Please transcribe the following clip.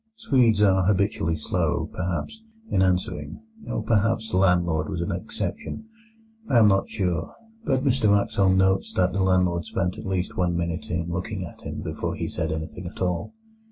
Swedes are habitually slow, perhaps, in answering, or perhaps the landlord was an exception. I am not sure; but Mr Wraxall notes that the landlord spent at least one minute in looking at him before he said anything at all.